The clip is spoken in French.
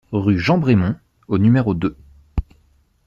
Rue Jean Bremond au numéro deux